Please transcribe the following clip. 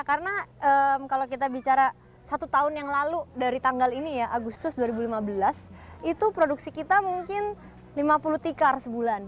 karena kalau kita bicara satu tahun yang lalu dari tanggal ini ya agustus dua ribu lima belas itu produksi kita mungkin lima puluh tikar sebulan